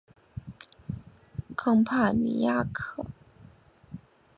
康帕尼亚克。